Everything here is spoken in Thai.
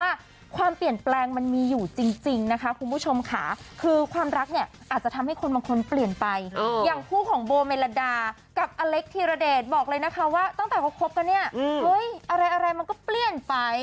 ว่าความเปลี่ยนแปลงมันมีอยู่จริงนะคะคุณผู้ชมค่ะคือความรักเนี่ยอาจจะทำให้คนบางคนเปลี่ยนไปอย่างคู่ของโบเมลดากับอเล็กธีรเดชบอกเลยนะคะว่าตั้งแต่เขาคบกันเนี่ยเฮ้ยอะไรอะไรมันก็เปลี่ยนไป